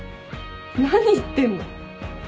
何言ってんの？